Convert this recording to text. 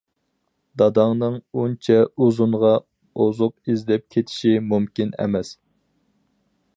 داداڭنىڭ ئۇنچە ئۇزۇنغا ئوزۇق ئىزدەپ كېتىشى مۇمكىن ئەمەس.